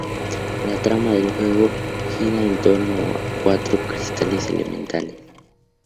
La trama del juego gira en torno a cuatro cristales elementales.